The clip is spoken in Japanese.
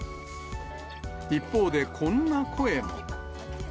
一方でこんな声も。